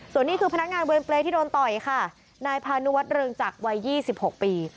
ส่วนนี้คือพนักงานเวรเปรย์ที่โดนต่อยค่ะนายพานุวัฒเริงจักรวัย๒๖ปี